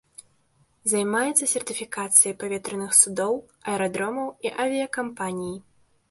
Займаецца сертыфікацыяй паветраных судоў, аэрадромаў і авіякампаній.